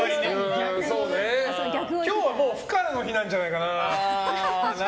今日はもう不可の日なんじゃないかな。